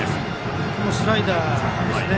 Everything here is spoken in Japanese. これもスライダーですね。